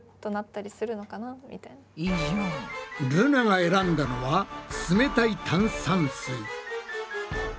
ルナが選んだのは「つめたい炭酸水」。